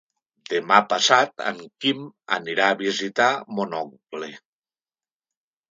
Demà passat en Quim anirà a visitar mon oncle.